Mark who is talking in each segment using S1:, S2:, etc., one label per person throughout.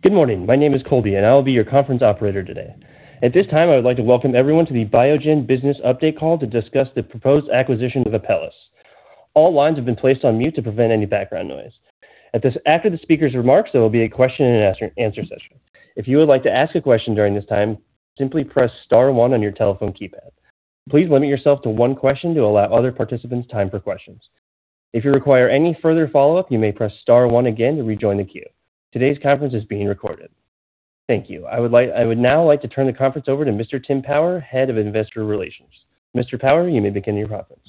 S1: Good morning. My name is Colby, and I will be your conference operator today. At this time, I would like to welcome everyone to the Biogen business update call to discuss the proposed acquisition of Apellis. All lines have been placed on mute to prevent any background noise. After the speaker's remarks, there will be a question-and-answer session. If you would like to ask a question during this time, simply press star one on your telephone keypad. Please limit yourself to one question to allow other participants time for questions. If you require any further follow-up, you may press star one again to rejoin the queue. Today's conference is being recorded. Thank you. I would now like to turn the conference over to Mr. Tim Power, Head of Investor Relations. Mr. Power, you may begin your conference.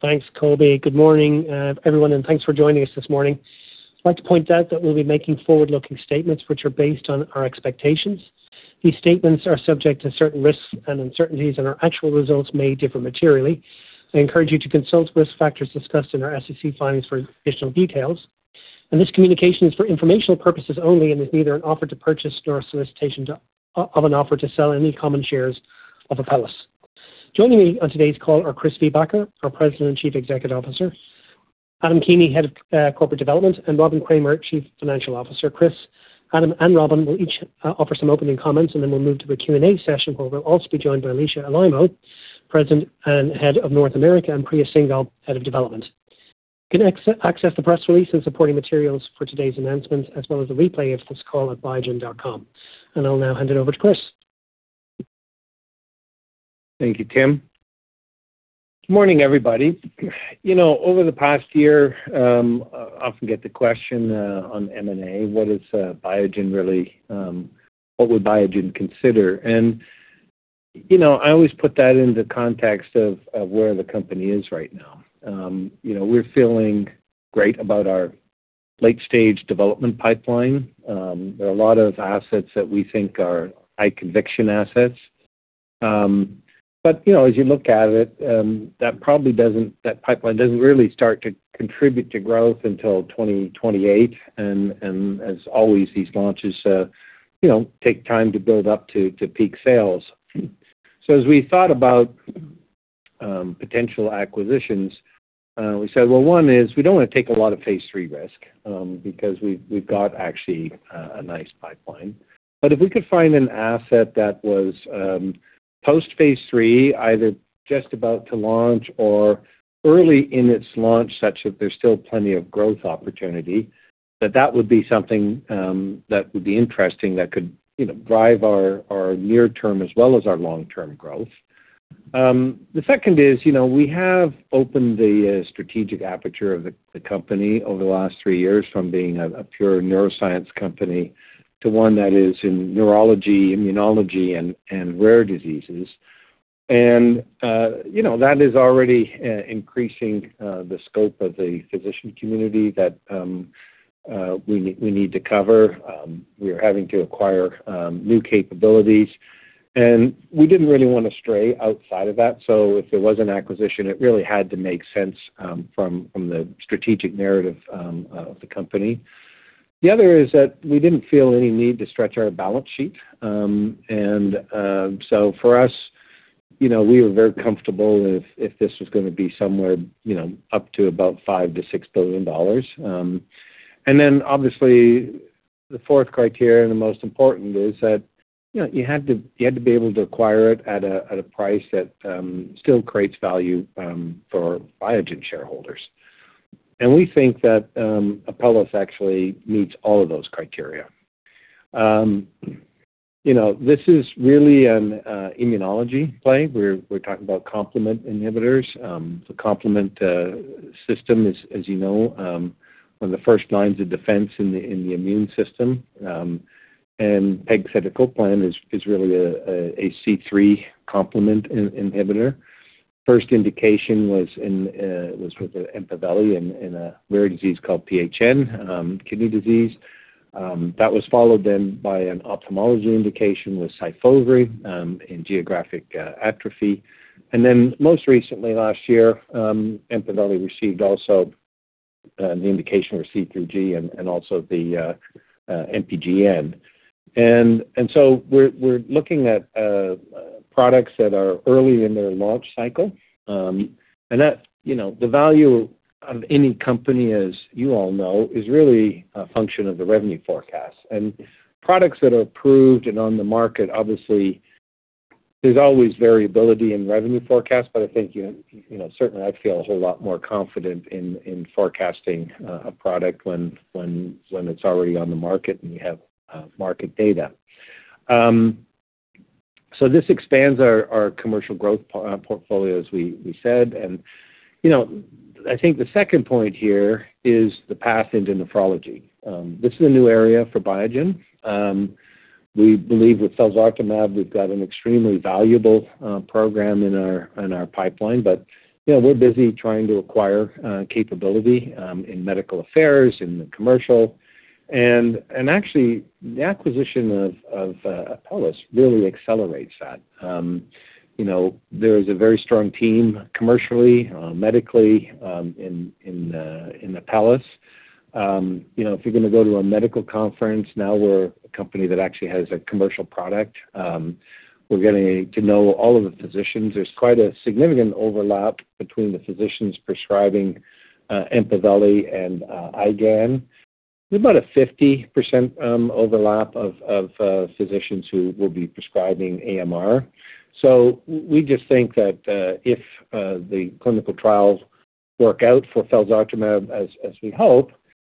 S2: Thanks, Colby. Good morning, everyone, and thanks for joining us this morning. I'd like to point out that we'll be making forward-looking statements which are based on our expectations. These statements are subject to certain risks and uncertainties, and our actual results may differ materially. I encourage you to consult risk factors discussed in our SEC filings for additional details. This communication is for informational purposes only and is neither an offer to purchase nor a solicitation of an offer to sell any common shares of Apellis. Joining me on today's call are Chris Viehbacher, our President and Chief Executive Officer, Adam Keeney, Head of Corporate Development, and Robin Kramer, Chief Financial Officer. Chris, Adam, and Robin will each offer some opening comments, and then we'll move to a Q&A session where we'll also be joined by Alisha Alaimo, President and Head of North America, and Priya Singhal, Head of Development. You can access the press release and supporting materials for today's announcement, as well as the replay of this call, at biogen.com. I'll now hand it over to Chris.
S3: Thank you, Tim. Good morning, everybody. You know, over the past year, I often get the question on M&A, what would Biogen consider? You know, I always put that into context of where the company is right now. You know, we're feeling great about our late-stage development pipeline. There are a lot of assets that we think are high-conviction assets. You know, as you look at it, that pipeline doesn't really start to contribute to growth until 2028 and as always, these launches take time to build up to peak sales. As we thought about potential acquisitions, we said, well, one is we don't want to take a lot of phase III risk because we've got actually a nice pipeline. If we could find an asset that was post phase III, either just about to launch or early in its launch such that there's still plenty of growth opportunity, that would be something that would be interesting, that could, you know, drive our near-term as well as our long-term growth. The second is, you know, we have opened the strategic aperture of the company over the last three years from being a pure neuroscience company to one that is in neurology, immunology, and rare diseases. You know, that is already increasing the scope of the physician community that we need to cover. We are having to acquire new capabilities, and we didn't really want to stray outside of that. If there was an acquisition, it really had to make sense from the strategic narrative of the company. The other is that we didn't feel any need to stretch our balance sheet. For us, you know, we were very comfortable if this was going to be somewhere, you know, up to about $5 billion-$6 billion. Obviously the fourth criteria and the most important is that, you know, you had to be able to acquire it at a price that still creates value for Biogen shareholders. We think that Apellis actually meets all of those criteria. You know, this is really an immunology play. We're talking about complement inhibitors. The complement system as you know, one of the first lines of defense in the immune system. Pegcetacoplan is really a C3 complement inhibitor. First indication was with EMPAVELI in a rare disease called PNH, kidney disease. That was followed then by an ophthalmology indication with SYFOVRE in geographic atrophy. Then most recently last year, EMPAVELI received also the indication for C3G and also the IC-MPGN. We're looking at products that are early in their launch cycle. You know, the value of any company, as you all know, is really a function of the revenue forecast. Products that are approved and, on the market, obviously there's always variability in revenue forecast. I think you know certainly I'd feel a whole lot more confident in forecasting a product when it's already on the market and you have market data. This expands our commercial growth portfolio, as we said. You know, I think the second point here is the path into nephrology. This is a new area for Biogen. We believe with felzartamab we've got an extremely valuable program in our pipeline. You know, we're busy trying to acquire capability in medical affairs, in the commercial. Actually, the acquisition of Apellis really accelerates that. You know, there is a very strong team commercially, medically, in Apellis. You know, if you're going to go to a medical conference, now we're a company that actually has a commercial product. We're getting to know all of the physicians. There's quite a significant overlap between the physicians prescribing EMPAVELI and IgAN. About a 50% overlap of physicians who will be prescribing AMR. We just think that if the clinical trials work out for felzartamab as we hope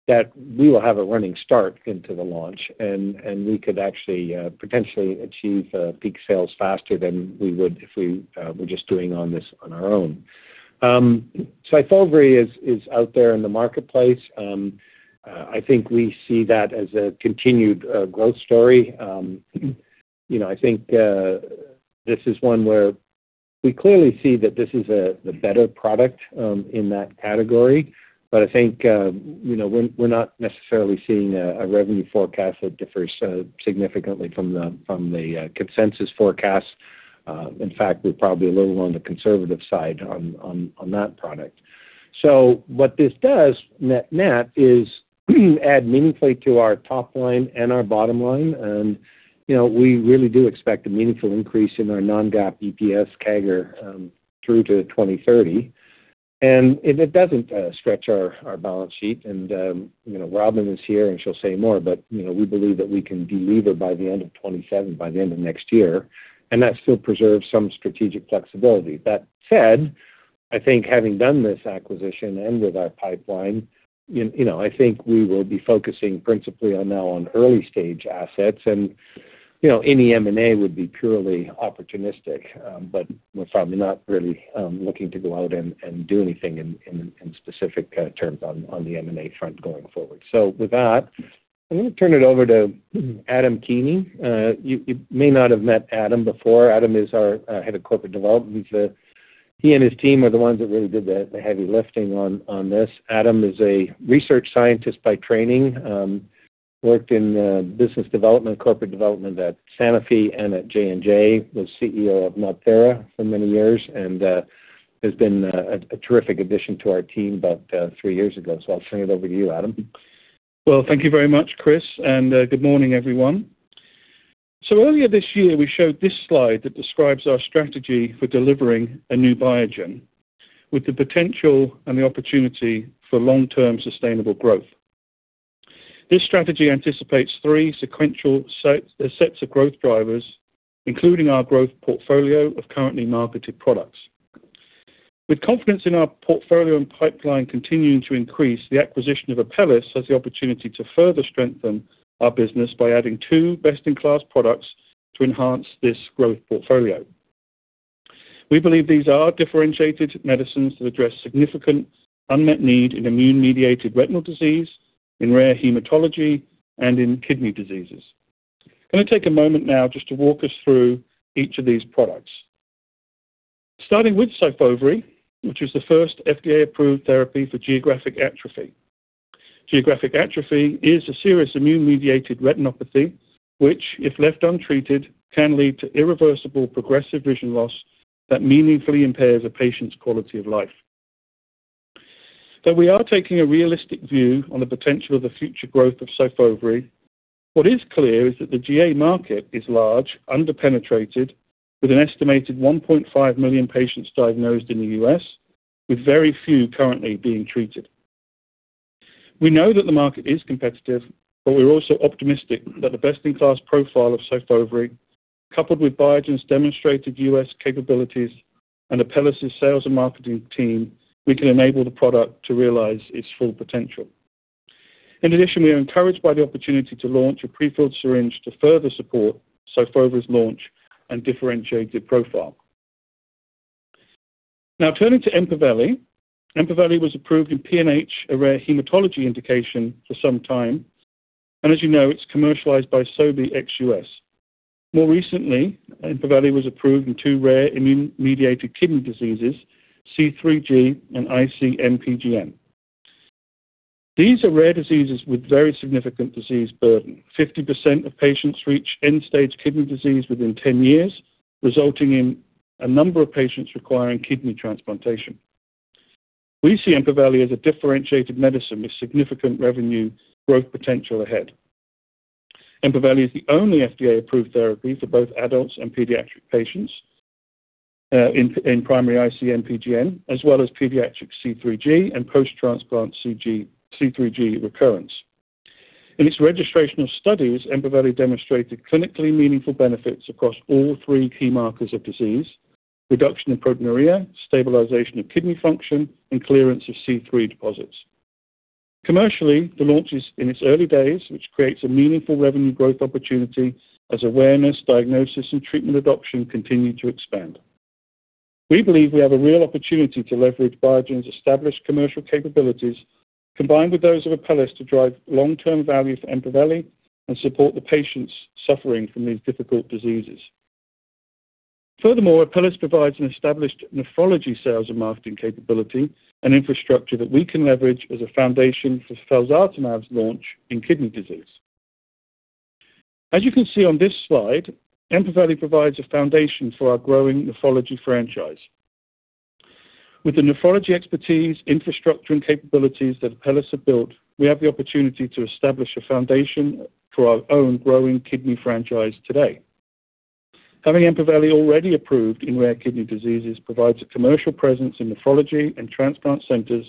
S3: that we will have a running start into the launch and we could actually potentially achieve peak sales faster than we would if we were just doing this on our own. If SYFOVRE is out there in the marketplace, I think we see that as a continued growth story. You know, I think this is one where we clearly see that this is the better product in that category. I think you know, we're not necessarily seeing a revenue forecast that differs significantly from the consensus forecast. In fact, we're probably a little on the conservative side on that product. What this does net is add meaningfully to our top line and our bottom line. You know, we really do expect a meaningful increase in our non-GAAP EPS CAGR through to 2030. It doesn't stretch our balance sheet. You know, Robin is here, and she'll say more, but you know, we believe that we can delever by the end of 2027, by the end of next year, and that still preserves some strategic flexibility. That said, I think having done this acquisition and with our pipeline, you know, I think we will be focusing principally on early-stage assets and you know, any M&A would be purely opportunistic. But we're probably not really looking to go out and do anything in specific terms on the M&A front going forward. With that, I'm going to turn it over to Adam Keeney. You may not have met Adam before. Adam is our Head of Corporate Development. He and his team are the ones that really did the heavy lifting on this. Adam is a research scientist by training, worked in business development, corporate development at Sanofi and at J&J, was CEO of NodThera for many years and has been a terrific addition to our team about three years ago. I'll turn it over to you, Adam.
S4: Well, thank you very much, Chris, and good morning, everyone. Earlier this year, we showed this slide that describes our strategy for delivering a new Biogen with the potential and the opportunity for long-term sustainable growth. This strategy anticipates three sequential sets of growth drivers, including our growth portfolio of currently marketed products. With confidence in our portfolio and pipeline continuing to increase, the acquisition of Apellis has the opportunity to further strengthen our business by adding two best-in-class products to enhance this growth portfolio. We believe these are differentiated medicines that address significant unmet need in immune-mediated retinal disease, in rare hematology, and in kidney diseases. Let me take a moment now just to walk us through each of these products. Starting with SYFOVRE, which is the first FDA-approved therapy for geographic atrophy. Geographic atrophy is a serious immune-mediated retinopathy, which, if left untreated, can lead to irreversible progressive vision loss that meaningfully impairs a patient's quality of life. Though we are taking a realistic view on the potential of the future growth of SYFOVRE, what is clear is that the GA market is large, underpenetrated, with an estimated 1.5 million patients diagnosed in the U.S., with very few currently being treated. We know that the market is competitive, but we're also optimistic that the best-in-class profile of SYFOVRE, coupled with Biogen's demonstrated U.S. capabilities and Apellis' sales and marketing team, we can enable the product to realize its full potential. In addition, we are encouraged by the opportunity to launch a prefilled syringe to further support SYFOVRE's launch and differentiated profile. Now, turning to EMPAVELI. EMPAVELI was approved in PNH, a rare hematology indication, for some time, and as you know, it's commercialized by Sobi ex U.S. More recently, EMPAVELI was approved in two rare immune-mediated kidney diseases, C3G and IC-MPGN. These are rare diseases with very significant disease burden. 50% of patients reach end-stage kidney disease within 10 years, resulting in a number of patients requiring kidney transplantation. We see EMPAVELI as a differentiated medicine with significant revenue growth potential ahead. EMPAVELI is the only FDA-approved therapy for both adults and pediatric patients in primary IC-MPGN, as well as pediatric C3G and post-transplant C3G recurrence. In its registrational studies, EMPAVELI demonstrated clinically meaningful benefits across all three key markers of disease, reduction in proteinuria, stabilization of kidney function, and clearance of C3 deposits. Commercially, the launch is in its early days, which creates a meaningful revenue growth opportunity as awareness, diagnosis, and treatment adoption continue to expand. We believe we have a real opportunity to leverage Biogen's established commercial capabilities, combined with those of Apellis, to drive long-term value for EMPAVELI and support the patients suffering from these difficult diseases. Furthermore, Apellis provides an established nephrology sales and marketing capability and infrastructure that we can leverage as a foundation for felzartamab's launch in kidney disease. As you can see on this slide, EMPAVELI provides a foundation for our growing nephrology franchise. With the nephrology expertise, infrastructure, and capabilities that Apellis have built, we have the opportunity to establish a foundation for our own growing kidney franchise today. Having EMPAVELI already approved in rare kidney diseases provides a commercial presence in nephrology and transplant centers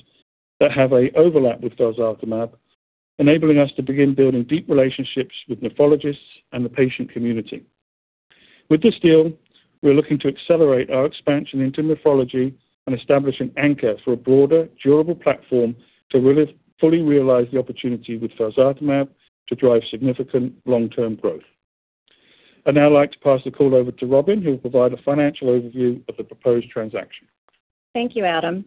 S4: that have an overlap with felzartamab, enabling us to begin building deep relationships with nephrologists and the patient community. With this deal, we're looking to accelerate our expansion into nephrology and establish an anchor for a broader, durable platform to fully realize the opportunity with felzartamab to drive significant long-term growth. I'd now like to pass the call over to Robin, who will provide a financial overview of the proposed transaction.
S5: Thank you, Adam.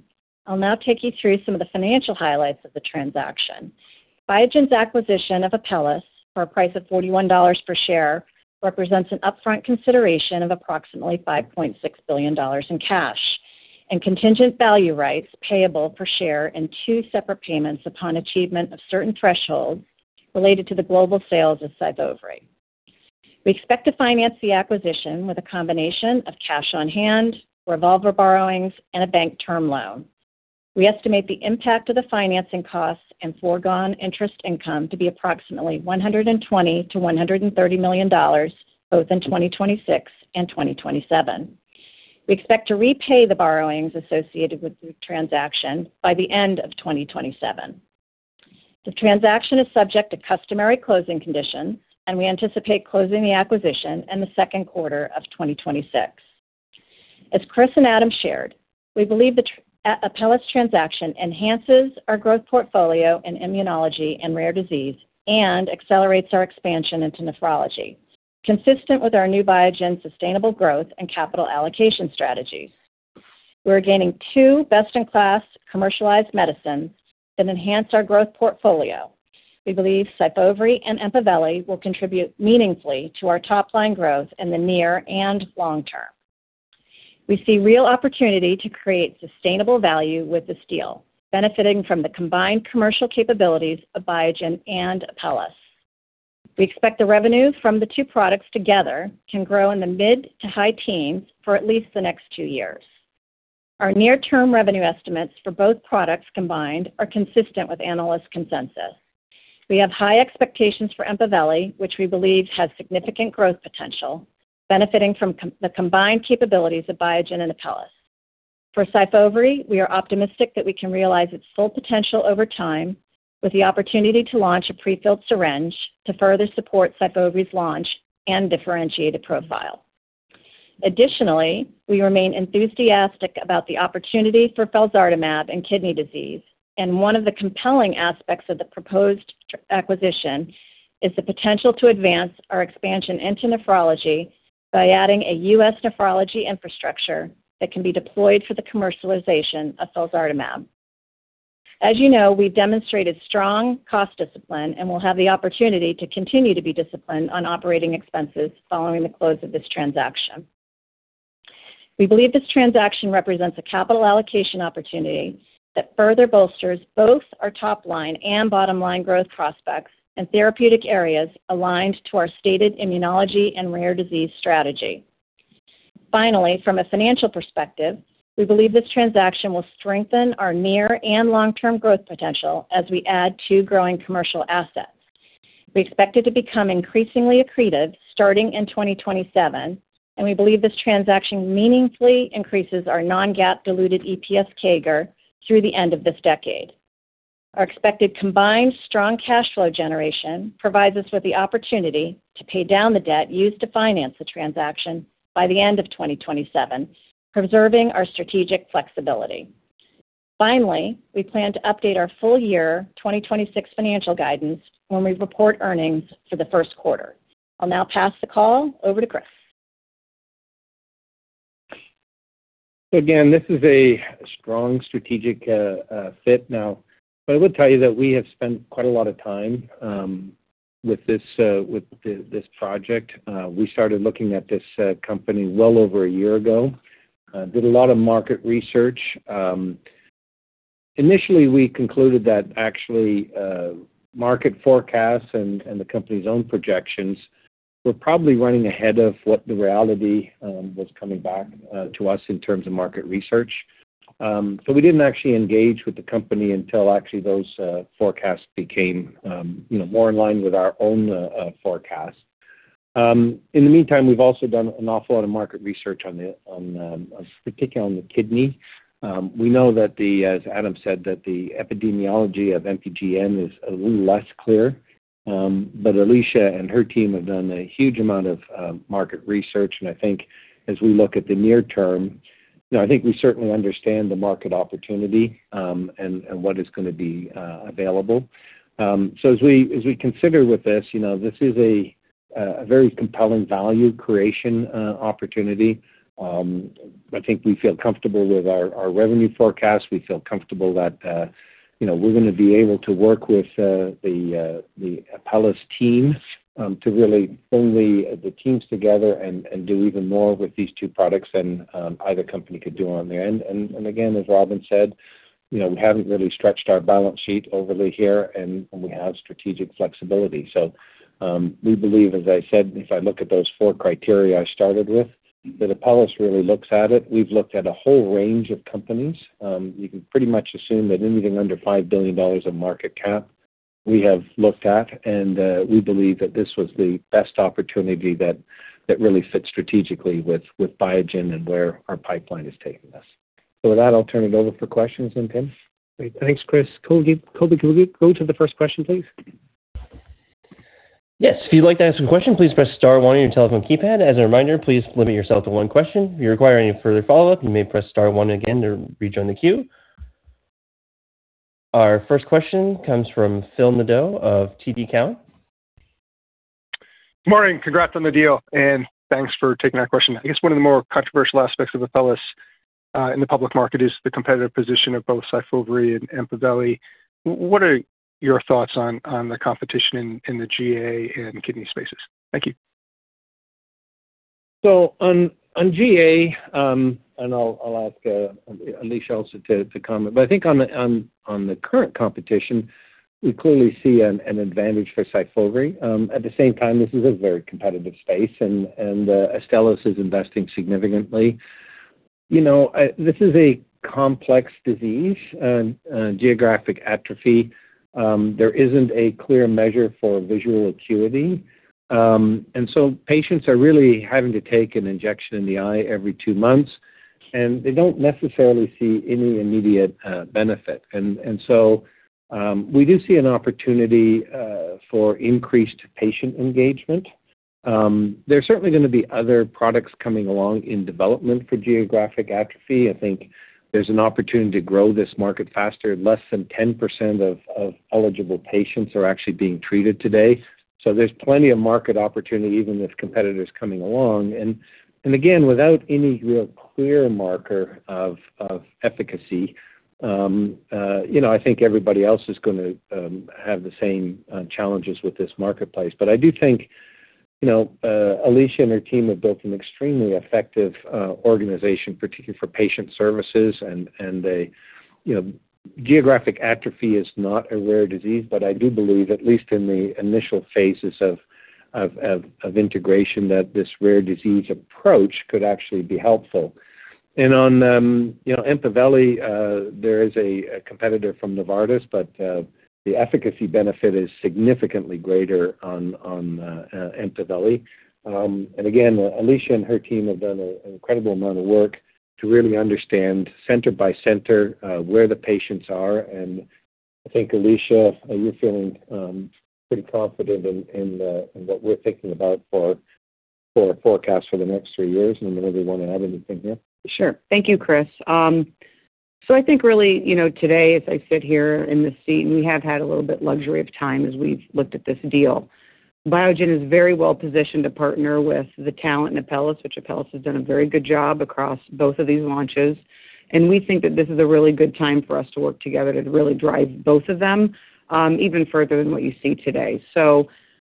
S5: I'll now take you through some of the financial highlights of the transaction. Biogen's acquisition of Apellis for a price of $41 per share represents an upfront consideration of approximately $5.6 billion in cash and contingent value rights payable per share in two separate payments upon achievement of certain thresholds related to the global sales of SYFOVRE. We expect to finance the acquisition with a combination of cash on hand, revolver borrowings, and a bank term loan. We estimate the impact of the financing costs and foregone interest income to be approximately $120 million-$130 million both in 2026 and 2027. We expect to repay the borrowings associated with the transaction by the end of 2027. The transaction is subject to customary closing conditions, and we anticipate closing the acquisition in the second quarter of 2026. As Chris and Adam shared, we believe the Apellis transaction enhances our growth portfolio in immunology and rare disease and accelerates our expansion into nephrology. Consistent with our new Biogen sustainable growth and capital allocation strategies, we are gaining two best-in-class commercialized medicines that enhance our growth portfolio. We believe SYFOVRE and EMPAVELI will contribute meaningfully to our top line growth in the near and long term. We see real opportunity to create sustainable value with this deal, benefiting from the combined commercial capabilities of Biogen and Apellis. We expect the revenue from the two products together can grow in the mid- to high teens for at least the next two years. Our near-term revenue estimates for both products combined are consistent with analyst consensus. We have high expectations for EMPAVELI, which we believe has significant growth potential, benefiting from the combined capabilities of Biogen and Apellis. For SYFOVRE, we are optimistic that we can realize its full potential over time with the opportunity to launch a prefilled syringe to further support SYFOVRE's launch and differentiate its profile. Additionally, we remain enthusiastic about the opportunity for felzartamab in kidney disease, and one of the compelling aspects of the proposed acquisition is the potential to advance our expansion into nephrology by adding a U.S. nephrology infrastructure that can be deployed for the commercialization of felzartamab. As you know, we've demonstrated strong cost discipline, and we'll have the opportunity to continue to be disciplined on operating expenses following the close of this transaction. We believe this transaction represents a capital allocation opportunity that further bolsters both our top line and bottom-line growth prospects in therapeutic areas aligned to our stated immunology and rare disease strategy. Finally, from a financial perspective, we believe this transaction will strengthen our near and long-term growth potential as we add two growing commercial assets. We expect it to become increasingly accretive starting in 2027, and we believe this transaction meaningfully increases our non-GAAP diluted EPS CAGR through the end of this decade. Our expected combined strong cash flow generation provides us with the opportunity to pay down the debt used to finance the transaction by the end of 2027, preserving our strategic flexibility. Finally, we plan to update our full year 2026 financial guidance when we report earnings for the first quarter. I'll now pass the call over to Chris.
S3: Again, this is a strong strategic fit now, but I will tell you that we have spent quite a lot of time with this project. We started looking at this company well over a year ago. Did a lot of market research. Initially, we concluded that actually market forecasts and the company's own projections were probably running ahead of what the reality was coming back to us in terms of market research. We didn't actually engage with the company until actually those forecasts became you know more in line with our own forecast. In the meantime, we've also done an awful lot of market research, particularly on the kidney. We know, as Adam said, that the epidemiology of IC-MPGN is a little less clear, but Alisha and her team have done a huge amount of market research. I think as we look at the near term, you know, I think we certainly understand the market opportunity, and what is going to be available. As we consider with this, you know, this is a very compelling value creation opportunity. I think we feel comfortable with our revenue forecast. We feel comfortable that, you know, we're ging to be able to work with the Apellis team to really bring the teams together and do even more with these two products than either company could do on their end. Again, as Robin said, you know, we haven't really stretched our balance sheet overly here, and we have strategic flexibility. We believe, as I said, if I look at those four criteria I started with, that Apellis really looks at it. We've looked at a whole range of companies. You can pretty much assume that anything under $5 billion of market cap. We have looked at, and we believe that this was the best opportunity that really fits strategically with Biogen and where our pipeline is taking us. With that, I'll turn it over for questions then, Tim.
S2: Great. Thanks, Chris. Colby, can we go to the first question, please?
S1: Yes. If you'd like to ask a question, please press star one on your telephone keypad. As a reminder, please limit yourself to one question. If you require any further follow-up, you may press star one again to rejoin the queue. Our first question comes from Phil Nadeau of TD Cowen.
S6: Morning. Congrats on the deal, and thanks for taking our question. I guess one of the more controversial aspects of Apellis in the public market is the competitive position of both SYFOVRE and EMPAVELI. What are your thoughts on the competition in the GA and kidney spaces? Thank you.
S3: On GA, and I'll ask Alisha also to comment. I think on the current competition, we clearly see an advantage for SYFOVRE. At the same time, this is a very competitive space, and Astellas is investing significantly. You know, this is a complex disease, geographic atrophy. There isn't a clear measure for visual acuity. Patients are really having to take an injection in the eye every two months, and they don't necessarily see any immediate benefit. We do see an opportunity for increased patient engagement. There's certainly going to be other products coming along in development for geographic atrophy. I think there's an opportunity to grow this market faster. Less than 10% of eligible patients are actually being treated today. There's plenty of market opportunity even with competitors coming along. Again, without any real clear marker of efficacy, you know, I think everybody else is going to have the same challenges with this marketplace. But I do think, you know, Alisha and her team have built an extremely effective organization, particularly for patient services and they. You know, geographic atrophy is not a rare disease, but I do believe, at least in the initial phases of integration, that this rare disease approach could actually be helpful. On you know, EMPAVELI, there is a competitor from Novartis, but the efficacy benefit is significantly greater on EMPAVELI. Again, Alisha and her team have done an incredible amount of work to really understand center by center where the patients are. I think, Alisha, are you feeling pretty confident in what we're thinking about for our forecast for the next three years? If you want to add anything here.
S7: Sure. Thank you, Chris. I think really, you know, today, as I sit here in this seat, and we have had a little bit luxury of time as we've looked at this deal. Biogen is very well-positioned to partner with the talent in Apellis, which Apellis has done a very good job across both of these launches. We think that this is a really good time for us to work together to really drive both of them, even further than what you see today.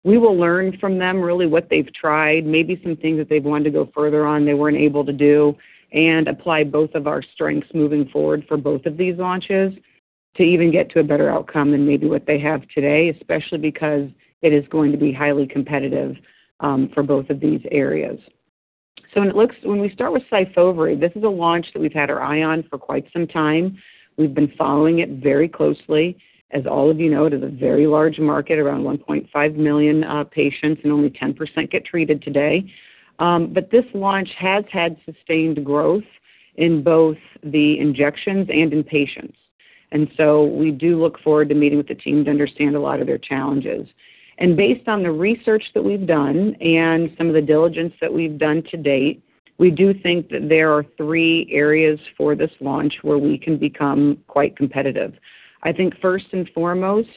S7: We will learn from them really what they've tried, maybe some things that they've wanted to go further on, they weren't able to do, and apply both of our strengths moving forward for both of these launches to even get to a better outcome than maybe what they have today, especially because it is going to be highly competitive for both of these areas. When we start with SYFOVRE, this is a launch that we've had our eye on for quite some time. We've been following it very closely. As all of you know, it is a very large market, around 1.5 million patients, and only 10% get treated today. But this launch has had sustained growth in both the injections and in patients. We do look forward to meeting with the team to understand a lot of their challenges. Based on the research that we've done and some of the diligence that we've done to date, we do think that there are three areas for this launch where we can become quite competitive. I think first and foremost,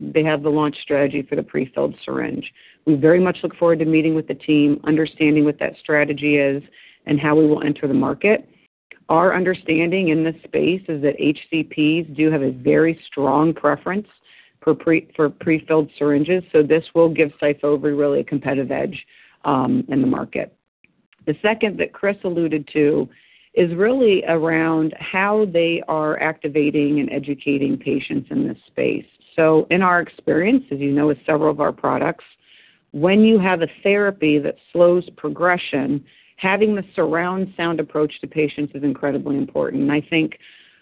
S7: they have the launch strategy for the prefilled syringe. We very much look forward to meeting with the team, understanding what that strategy is, and how we will enter the market. Our understanding in this space is that HCPs do have a very strong preference for prefilled syringes, so this will give SYFOVRE really a competitive edge in the market. The second that Chris alluded to is really around how they are activating and educating patients in this space. In our experience, as you know, with several of our products, when you have a therapy that slows progression, having the surround sound approach to patients is incredibly important. I think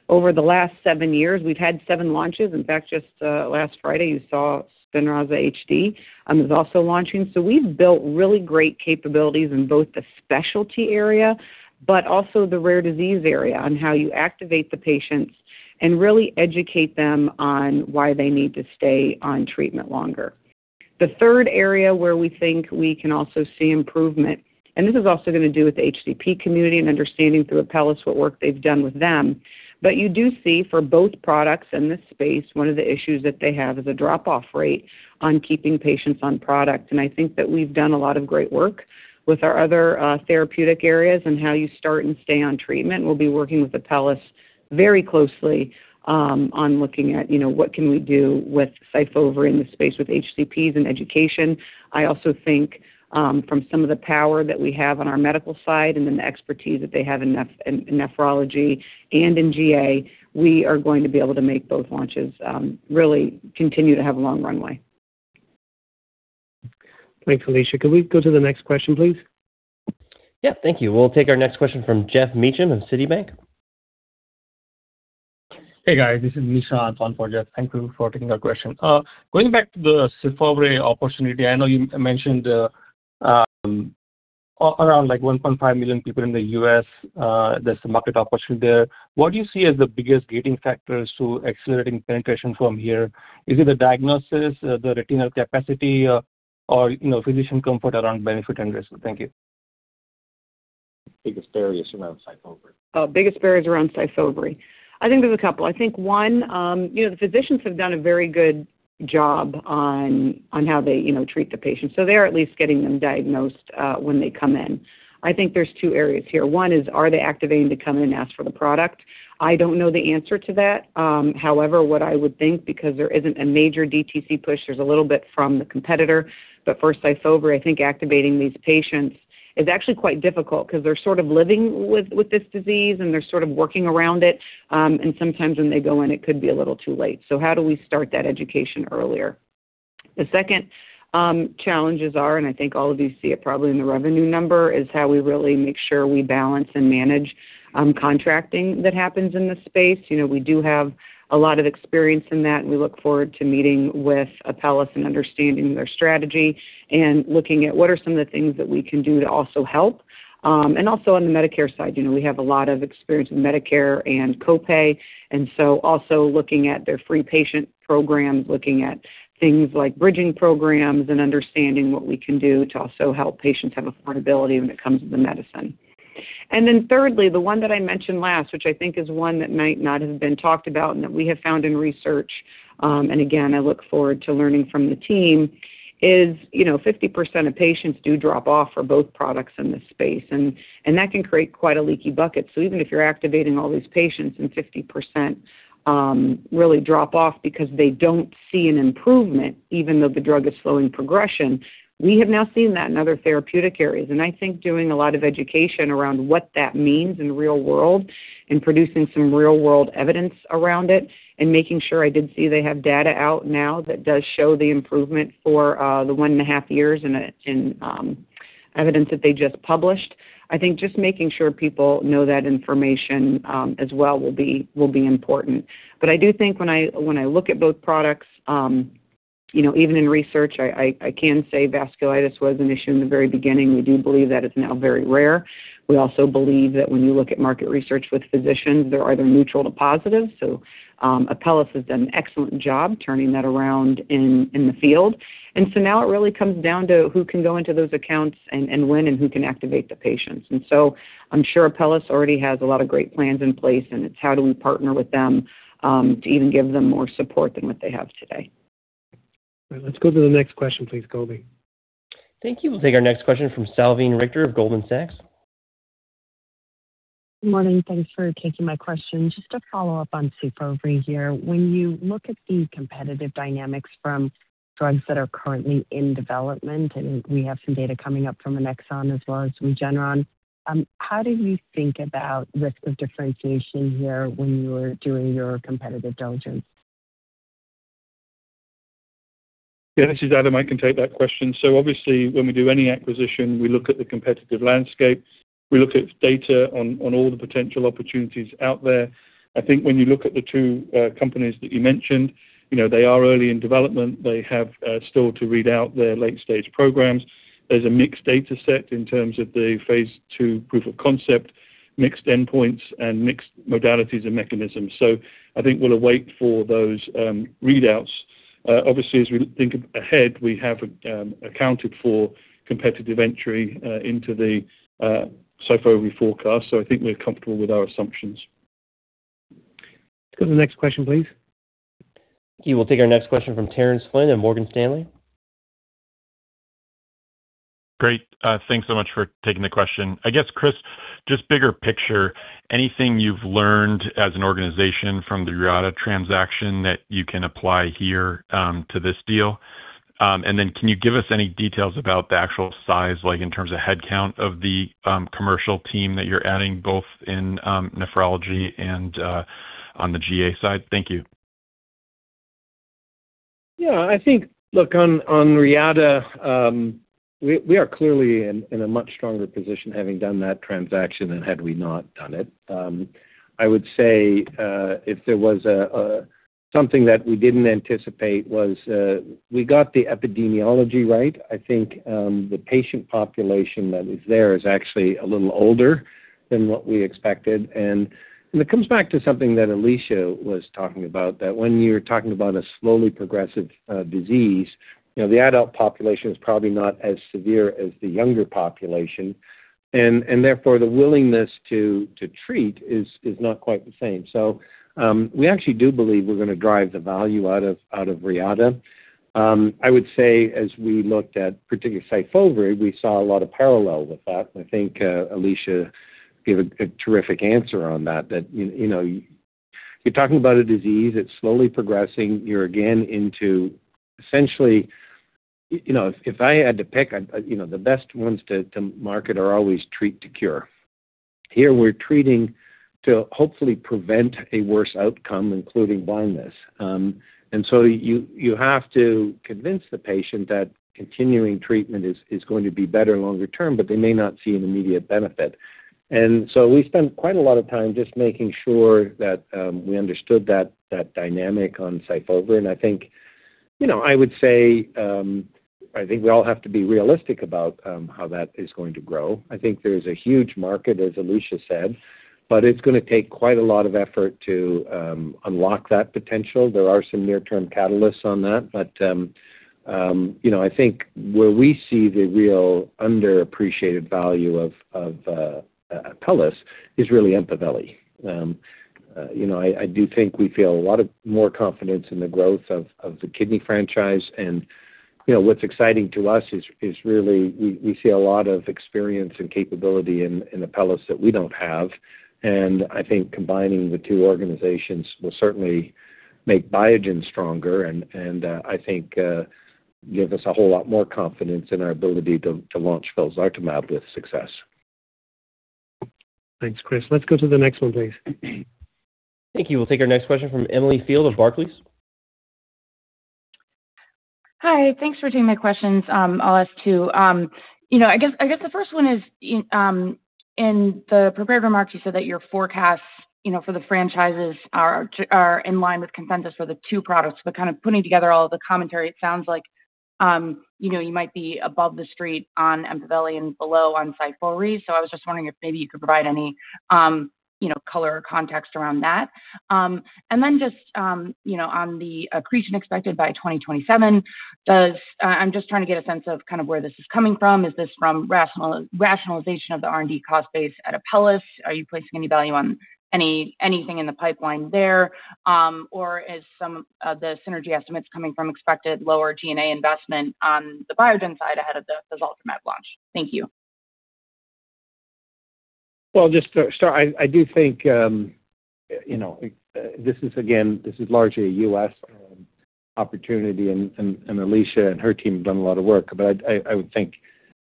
S7: over the last seven years, we've had seven launches. In fact, just last Friday, you saw SPINRAZA HD is also launching. We've built really great capabilities in both the specialty area, but also the rare disease area on how you activate the patients and really educate them on why they need to stay on treatment longer. The third area where we think we can also see improvement, and this is also going to do with the HCP community and understanding through Apellis what work they've done with them. You do see for both products in this space, one of the issues that they have is a drop-off rate on keeping patients on product. I think that we've done a lot of great work with our other therapeutic areas on how you start and stay on treatment. We'll be working with Apellis very closely on looking at, you know, what can we do with SYFOVRE in the space with HCPs and education. I also think from some of the power that we have on our medical side and then the expertise that they have in nephrology and in GA, we are going to be able to make both launches really continue to have a long runway.
S2: Thanks, Alisha. Could we go to the next question, please?
S1: Yeah, thank you. We'll take our next question from Geoff Meacham of Citibank.
S8: Hey, guys. This is Nishant on for Geoff. Thank you for taking our question. Going back to the SYFOVRE opportunity, I know you mentioned around 1.5 million people in the U.S. There's a market opportunity there. What do you see as the biggest gating factors to accelerating penetration from here? Is it the diagnosis, the retinal capacity or physician comfort around benefit and risk? Thank you.
S4: Biggest barriers around SYFOVRE.
S7: Oh, the biggest barriers around SYFOVRE. I think there's a couple. I think one, you know, the physicians have done a very good job on how they, you know, treat the patients. So, they're at least getting them diagnosed when they come in. I think there's two areas here. One is, are they activating to come in and ask for the product? I don't know the answer to that. However, what I would think, because there isn't a major DTC push, there's a little bit from the competitor, but for SYFOVRE, I think activating these patients is actually quite difficult because they're sort of living with this disease and they're sort of working around it. And sometimes when they go in, it could be a little too late. So how do we start that education earlier? The second challenges are, and I think all of you see it probably in the revenue number, is how we really make sure we balance and manage contracting that happens in the space. You know, we do have a lot of experience in that, and we look forward to meeting with Apellis and understanding their strategy and looking at what are some of the things that we can do to also help. Also on the Medicare side, you know, we have a lot of experience with Medicare and copay, and so also looking at their free patient programs, looking at things like bridging programs and understanding what we can do to also help patients have affordability when it comes to the medicine. Then thirdly, the one that I mentioned last, which I think is one that might not have been talked about and that we have found in research, and again, I look forward to learning from the team, is, you know, 50% of patients do drop off for both products in this space, and that can create quite a leaky bucket. So even if you're activating all these patients and 50%, really drop off because they don't see an improvement, even though the drug is slowing progression, we have now seen that in other therapeutic areas. I think doing a lot of education around what that means in real world and producing some real-world evidence around it and making sure. I did see they have data out now that does show the improvement for the one and a half years in evidence that they just published. I think just making sure people know that information as well will be important. I do think when I look at both products, you know, even in research, I can say vasculitis was an issue in the very beginning. We do believe that is now very rare. We also believe that when you look at market research with physicians, they're either neutral to positive. Apellis has done an excellent job turning that around in the field. Now it really comes down to who can go into those accounts and when and who can activate the patients. I'm sure Apellis already has a lot of great plans in place, and it's how do we partner with them to even give them more support than what they have today.
S2: All right. Let's go to the next question, please, Colby.
S1: Thank you. We'll take our next question from Salveen Richter of Goldman Sachs.
S9: Good morning. Thanks for taking my question. Just a follow-up on SYFOVRE here. When you look at the competitive dynamics from drugs that are currently in development, and we have some data coming up from Alexion as well as Regeneron, how do you think about risk of differentiation here when you were doing your competitive diligence?
S4: Yeah, this is Adam. I can take that question. Obviously, when we do any acquisition, we look at the competitive landscape. We look at data on all the potential opportunities out there. I think when you look at the two companies that you mentioned, you know, they are early in development. They have still to read out their late-stage programs. There's a mixed data set in terms of the phase II proof of concept, mixed endpoints, and mixed modalities and mechanisms. I think we'll await for those readouts. Obviously, as we think ahead, we have accounted for competitive entry into the SYFOVRE forecast. I think we're comfortable with our assumptions.
S2: Let's go to the next question, please.
S1: Thank you. We'll take our next question from Terence Flynn at Morgan Stanley.
S10: Great. Thanks so much for taking the question. I guess, Chris, just bigger picture, anything you've learned as an organization from the Reata transaction that you can apply here to this deal? And then can you give us any details about the actual size, like in terms of headcount of the commercial team that you're adding both in nephrology and on the GA side? Thank you.
S3: Yeah, I think, look, on Reata, we are clearly in a much stronger position having done that transaction than had we not done it. I would say if there was something that we didn't anticipate was we got the epidemiology right. I think the patient population that is there is actually a little older than what we expected. It comes back to something that Alisha was talking about, that when you're talking about a slowly progressive disease, you know, the adult population is probably not as severe as the younger population, and therefore, the willingness to treat is not quite the same. We actually do believe we're going to drive the value out of Reata. I would say as we looked at particularly SYFOVRE, we saw a lot of parallels with that. I think Alisha gave a terrific answer on that, you know, you're talking about a disease, it's slowly progressing. You're again into essentially. You know, if I had to pick. You know, the best ones to market are always treat to cure. Here we're treating to hopefully prevent a worse outcome, including blindness. You have to convince the patient that continuing treatment is going to be better longer term, but they may not see an immediate benefit. We spent quite a lot of time just making sure that we understood that dynamic on SYFOVRE. I think, you know, I would say, I think we all have to be realistic about, how that is going to grow. I think there's a huge market, as Alisha said, but it's going to take quite a lot of effort to, unlock that potential. There are some near-term catalysts on that, but, you know, I think where we see the real underappreciated value of Apellis is really EMPAVELI. You know, I do think we feel a lot more confidence in the growth of the kidney franchise. You know, what's exciting to us is really we see a lot of experience and capability in Apellis that we don't have. I think combining the two organizations will certainly make Biogen stronger, and I think give us a whole lot more confidence in our ability to launch felzartamab with success.
S2: Thanks, Chris. Let's go to the next one, please.
S1: Thank you. We'll take our next question from Emily Field of Barclays.
S11: Hi. Thanks for taking my questions. I'll ask two. You know, I guess the first one is, in the prepared remarks, you said that your forecasts, you know, for the franchises are in line with consensus for the two products. Kind of putting together all of the commentary, it sounds like, you know, you might be above the street on EMPAVELI and below on SYFOVRE. I was just wondering if maybe you could provide any, you know, color or context around that. Just, you know, on the accretion expected by 2027, I'm just trying to get a sense of kind of where this is coming from. Is this from rationalization of the R&D cost base at Apellis? Are you placing any value on anything in the pipeline there? Is some of the synergy estimates coming from expected lower G&A investment on the Biogen side ahead of the felzartamab launch? Thank you.
S3: Well, just to start, I do think you know this is again this is largely a U.S. opportunity and Alisha and her team have done a lot of work. But I would think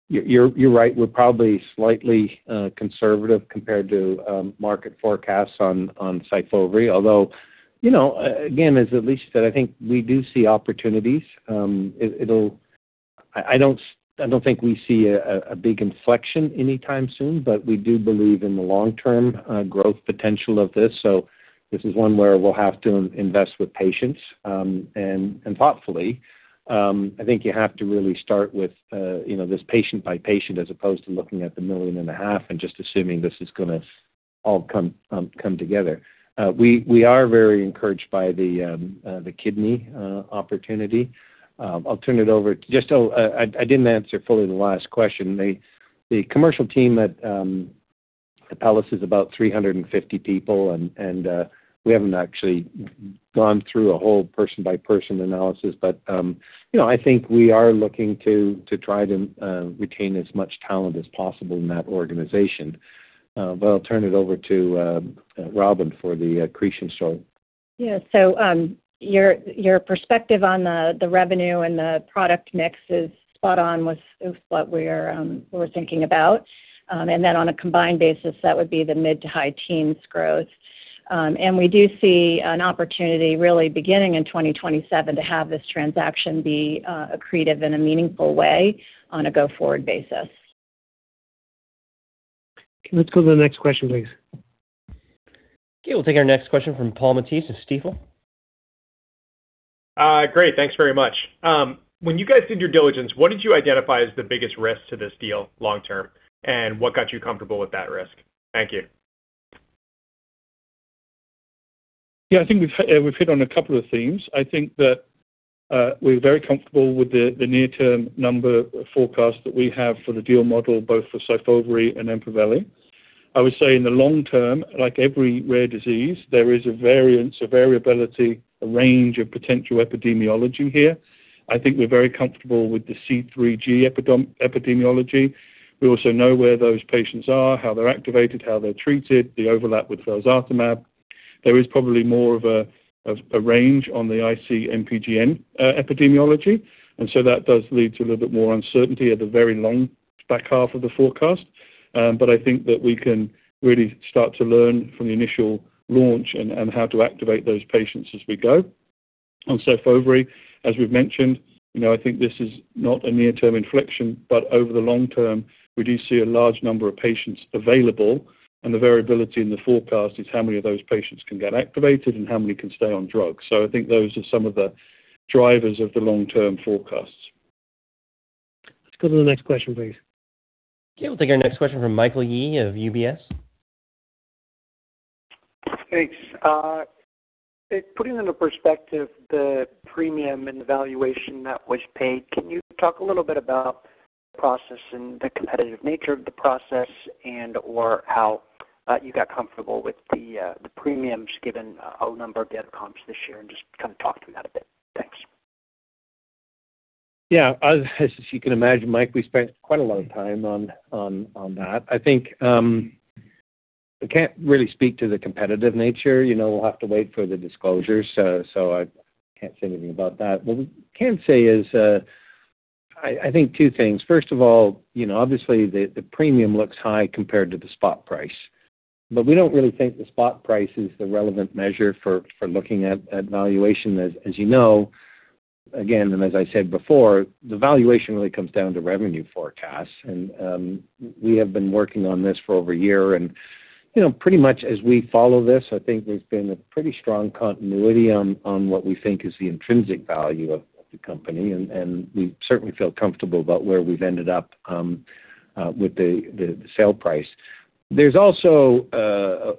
S3: you're right. We're probably slightly conservative compared to market forecasts on SYFOVRE, although you know again as Alisha said, I think we do see opportunities. I don't think we see a big inflection anytime soon, but we do believe in the long-term growth potential of this. So, this is one where we'll have to invest with patience and thoughtfully. I think you have to really start with, you know, this patient by patient as opposed to looking at the 1.5 million and just assuming this is going to all come together. We are very encouraged by the kidney opportunity. I didn't answer fully the last question. The commercial team at Apellis is about 350 people, and we haven't actually gone through a whole person-by-person analysis. You know, I think we are looking to try to retain as much talent as possible in that organization. I'll turn it over to Robin for the accretion story.
S5: Yeah. Your perspective on the revenue and the product mix is spot on with what we're thinking about. On a combined basis, that would be the mid- to high-teens growth. We do see an opportunity really beginning in 2027 to have this transaction be accretive in a meaningful way on a go-forward basis.
S2: Okay. Let's go to the next question, please.
S1: Okay. We'll take our next question from Paul Matteis of Stifel.
S12: Great. Thanks very much. When you guys did your diligence, what did you identify as the biggest risk to this deal long term, and what got you comfortable with that risk? Thank you.
S4: Yeah. I think we've hit on a couple of themes. I think that we're very comfortable with the near-term number forecast that we have for the deal model, both for SYFOVRE and EMPAVELI. I would say in the long term, like every rare disease, there is a variance, a variability, a range of potential epidemiology here. I think we're very comfortable with the C3G epidemiology. We also know where those patients are, how they're activated, how they're treated, the overlap with felzartamab. There is probably more of a range on the IC-MPGN epidemiology, and so that does lead to a little bit more uncertainty at the very long back half of the forecast. But I think that we can really start to learn from the initial launch and how to activate those patients as we go. On SYFOVRE, as we've mentioned, you know, I think this is not a near-term inflection, but over the long term, we do see a large number of patients available, and the variability in the forecast is how many of those patients can get activated and how many can stay on drugs. I think those are some of the drivers of the long-term forecasts.
S2: Let's go to the next question, please.
S1: Okay. We'll take our next question from Michael Yee of UBS.
S13: Thanks. Putting into perspective the premium and the valuation that was paid, can you talk a little bit about the process and the competitive nature of the process and/or how you got comfortable with the premiums given a number of the comps this year, and just kind of talk to me about a bit? Thanks.
S3: Yeah. As you can imagine, Mike, we spent quite a lot of time on that. I think we can't really speak to the competitive nature. You know, we'll have to wait for the disclosure. So, I can't say anything about that. What we can say is, I think two things. First of all, you know, obviously, the premium looks high compared to the spot price, but we don't really think the spot price is the relevant measure for looking at valuation as you know. Again, as I said before, the valuation really comes down to revenue forecasts. We have been working on this for over a year and, you know, pretty much as we follow this, I think there's been a pretty strong continuity on what we think is the intrinsic value of the company. We certainly feel comfortable about where we've ended up with the sale price. There's also a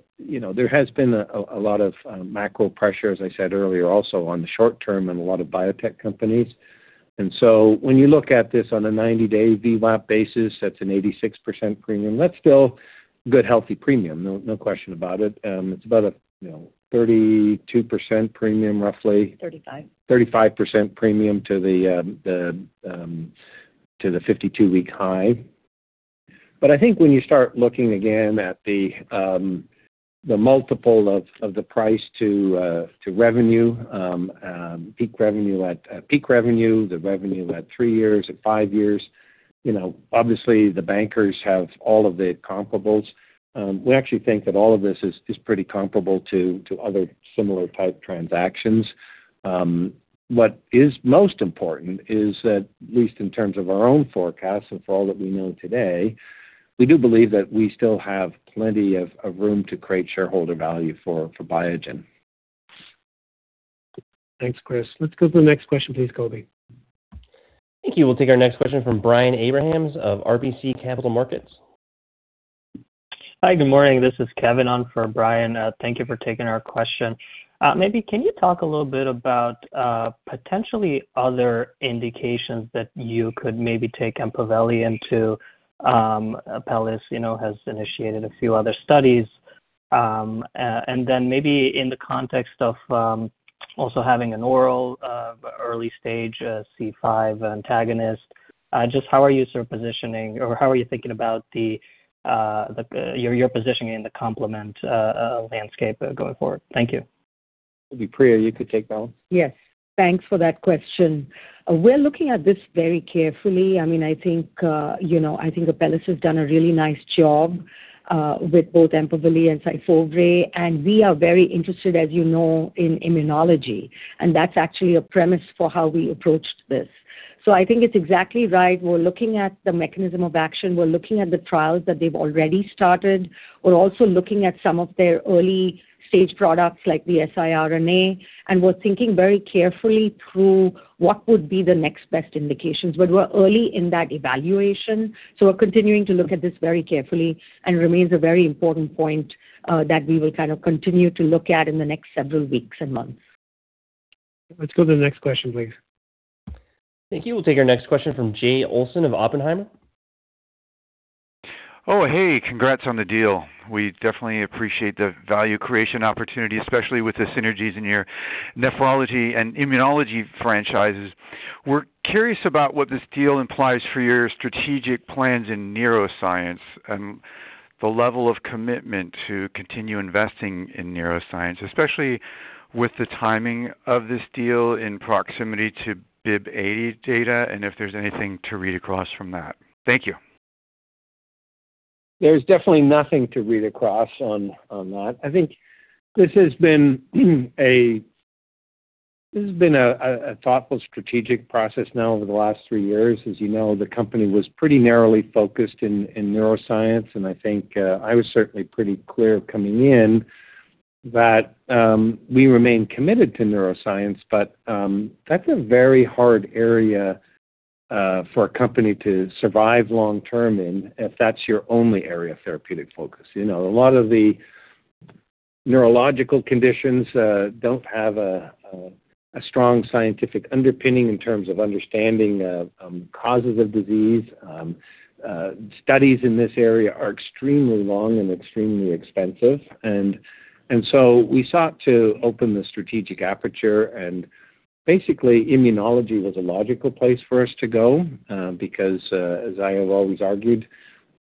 S3: lot of macro pressure, as I said earlier, also on the short term in a lot of biotech companies. When you look at this on a 90-day VWAP basis, that's an 86% premium. That's still good healthy premium. No question about it. It's about a, you know, 32% premium, roughly.
S5: 35%.
S3: 35% premium to the 52-week high. I think when you start looking again at the multiple of the price to revenue, peak revenue at peak revenue, the revenue at three years, at five years. You know, obviously the bankers have all of the comparables. We actually think that all of this is pretty comparable to other similar type transactions. What is most important is that, at least in terms of our own forecast and for all that we know today, we do believe that we still have plenty of room to create shareholder value for Biogen.
S2: Thanks, Chris. Let's go to the next question, please, Colby.
S1: Thank you. We'll take our next question from Brian Abrahams of RBC Capital Markets.
S14: Hi. Good morning. This is Kevin on for Brian. Thank you for taking our question. Maybe can you talk a little bit about potentially other indications that you could maybe take EMPAVELI into. Apellis, you know, has initiated a few other studies. And then maybe in the context of also having an oral early stage C5 antagonist, just how are you sort of positioning or how are you thinking about your positioning in the complement landscape going forward? Thank you.
S3: Maybe, Priya, you could take that one.
S15: Yes. Thanks for that question. We're looking at this very carefully. I mean, I think, you know, I think Apellis has done a really nice job with both EMPAVELI and SYFOVRE, and we are very interested, as you know, in immunology, and that's actually a premise for how we approached this. I think it's exactly right. We're looking at the mechanism of action. We're looking at the trials that they've already started. We're also looking at some of their early-stage products like the siRNA, and we're thinking very carefully through what would be the next best indications. We're early in that evaluation, so we're continuing to look at this very carefully, and it remains a very important point that we will kind of continue to look at in the next several weeks and months.
S2: Let's go to the next question, please.
S1: Thank you. We'll take our next question from Jay Olson of Oppenheimer.
S16: Oh, hey. Congrats on the deal. We definitely appreciate the value creation opportunity, especially with the synergies in your nephrology and immunology franchises. We're curious about what this deal implies for your strategic plans in neuroscience and the level of commitment to continue investing in neuroscience, especially with the timing of this deal in proximity to BIIB080 data, and if there's anything to read across from that. Thank you.
S3: There's definitely nothing to read across on that. I think this has been a thoughtful strategic process now over the last three years. As you know, the company was pretty narrowly focused in neuroscience, and I think I was certainly pretty clear coming in that we remain committed to neuroscience. But that's a very hard area for a company to survive long term in if that's your only area of therapeutic focus. You know, a lot of the neurological conditions don't have a strong scientific underpinning in terms of understanding the causes of disease. Studies in this area are extremely long and extremely expensive. We sought to open the strategic aperture, and basically immunology was a logical place for us to go, because, as I have always argued,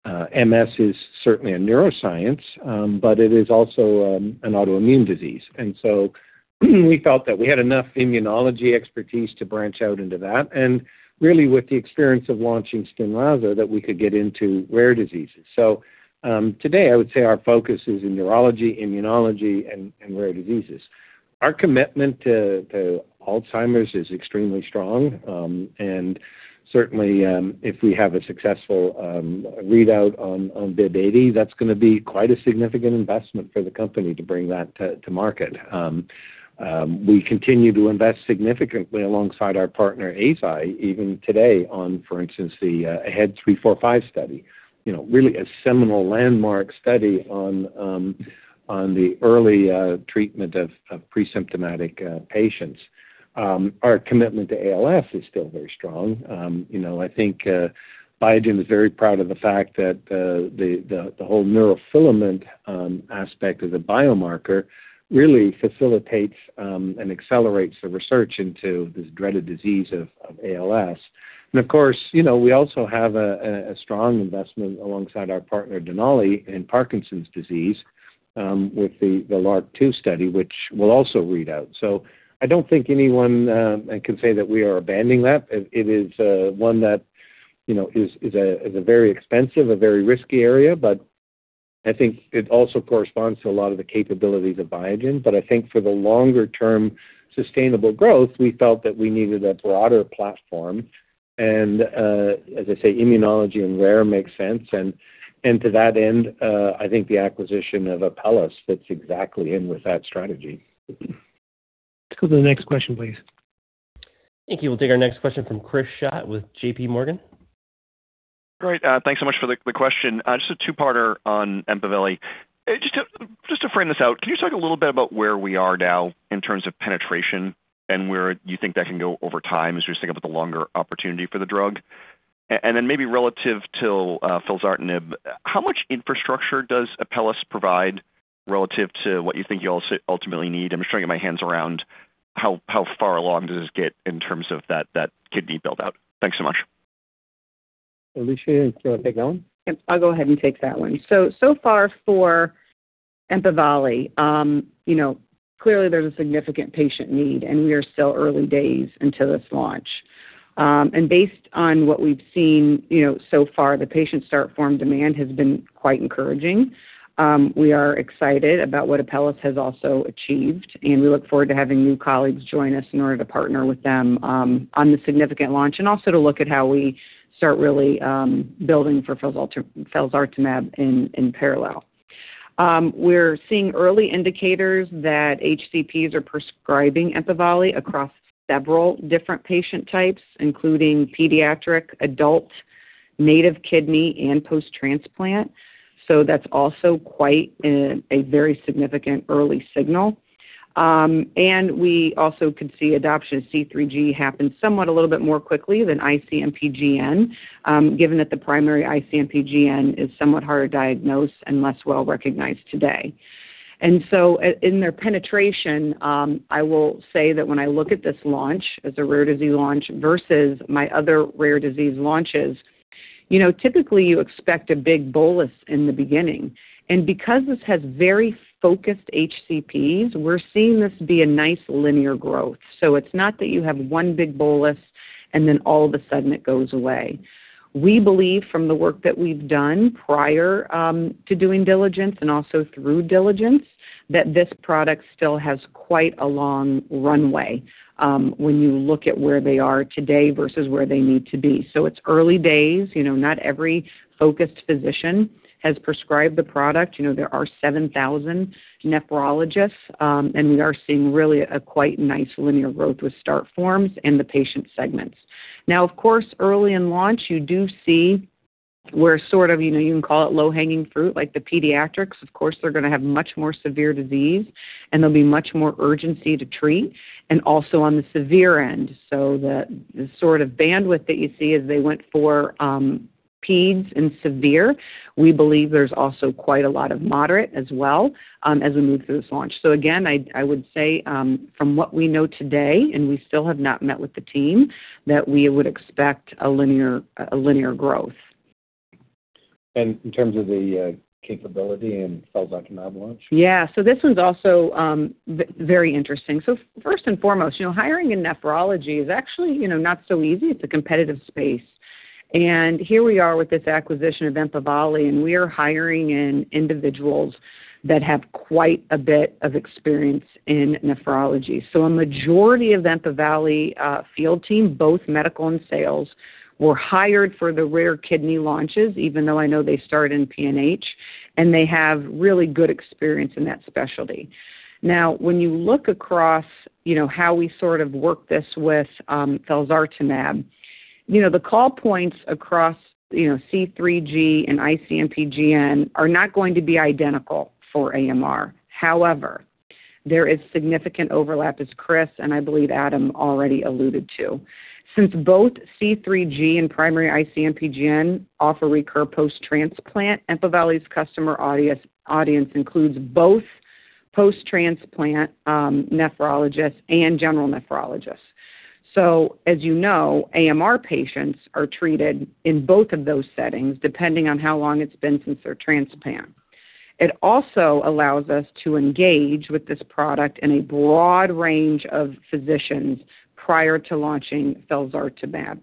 S3: MS is certainly a neuroscience, but it is also an autoimmune disease. We felt that we had enough immunology expertise to branch out into that, and really with the experience of launching SPINRAZA that we could get into rare diseases. Today I would say our focus is in neurology, immunology, and rare diseases. Our commitment to Alzheimer's is extremely strong. Certainly, if we have a successful readout on BIIB080, that's going to be quite a significant investment for the company to bring that to market. We continue to invest significantly alongside our partner Eisai even today on, for instance, the AHEAD 3-45 study. You know, really a seminal landmark study on the early treatment of pre-symptomatic patients. Our commitment to ALS is still very strong. You know, I think Biogen is very proud of the fact that the whole neurofilament aspect of the biomarker really facilitates and accelerates the research into this dreaded disease of ALS. Of course, you know, we also have a strong investment alongside our partner Denali in Parkinson's disease, with the LRRK2 study, which will also read out. I don't think anyone can say that we are abandoning that. It is one that, you know, is a very expensive, a very risky area. I think it also corresponds to a lot of the capabilities of Biogen. I think for the longer-term sustainable growth, we felt that we needed a broader platform. As I say, immunology and rare makes sense. To that end, I think the acquisition of Apellis fits exactly in with that strategy.
S2: Let's go to the next question, please.
S1: Thank you. We'll take our next question from Chris Schott with JPMorgan.
S17: Great. Thanks so much for the question. Just a two-parter on EMPAVELI. Just to frame this out, can you talk a little bit about where we are now in terms of penetration and where you think that can go over time as you think about the longer opportunity for the drug? Then maybe relative to felzartamab, how much infrastructure does Apellis provide relative to what you think you also ultimately need? I'm just trying to get my hands around how far along does this get in terms of that kidney build-out. Thanks so much.
S3: Alisha, do you want to take that one?
S7: Yep, I'll go ahead and take that one. So far for EMPAVELI, you know, clearly there's a significant patient need, and we are still early days until its launch. Based on what we've seen, you know, so far, the patient start form demand has been quite encouraging. We are excited about what Apellis has also achieved, and we look forward to having new colleagues join us in order to partner with them on this significant launch. Also to look at how we start really building for felzartamab in parallel. We're seeing early indicators that HCPs are prescribing EMPAVELI across several different patient types, including pediatric, adult, native kidney, and post-transplant. That's also quite a very significant early signal. We also could see adoption C3G happen somewhat a little bit more quickly than IC-MPGN, given that the primary IC-MPGN is somewhat harder to diagnose and less well-recognized today. In their penetration, I will say that when I look at this launch as a rare disease launch versus my other rare disease launches, you know, typically you expect a big bolus in the beginning. Because this has very focused HCPs, we're seeing this be a nice linear growth. It's not that you have one big bolus and then all of a sudden, it goes away. We believe from the work that we've done prior to doing diligence and also through diligence, that this product still has quite a long runway, when you look at where they are today versus where they need to be. It's early days. You know, not every focused physician has prescribed the product. You know, there are 7,000 nephrologists, and we are seeing really a quite nice linear growth with start forms in the patient segments. Now, of course, early in launch, you do see where sort of, you know, you can call it low-hanging fruit, like the pediatrics. Of course, they're going to have much more severe disease, and there'll be much more urgency to treat, and also on the severe end. So, the sort of bandwidth that you see is they went for peds and severe. We believe there's also quite a lot of moderate as well, as we move through this launch. So again, I would say, from what we know today, and we still have not met with the team, that we would expect a linear growth.
S3: In terms of the capability in felzartamab launch?
S7: Yeah. This one's also very interesting. First and foremost, you know, hiring in nephrology is actually, you know, not so easy. It's a competitive space. Here we are with this acquisition of EMPAVELI, and we are hiring individuals that have quite a bit of experience in nephrology. A majority of EMPAVELI field team, both medical and sales, were hired for the rare kidney launches, even though I know they started in PNH, and they have really good experience in that specialty. Now, when you look across, you know, how we sort of work this with felzartamab, you know, the call points across, you know, C3G and IC-MPGN are not going to be identical for AMR. However, there is significant overlap, as Chris, and I believe Adam, already alluded to. Since both C3G and primary IC-MPGN offer recurrence post-transplant, EMPAVELI's customer audience includes both post-transplant nephrologists and general nephrologists. As you know, AMR patients are treated in both of those settings, depending on how long it's been since their transplant. It also allows us to engage with this product in a broad range of physicians prior to launching felzartamab